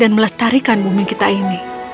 dan melestarikan bumi kita ini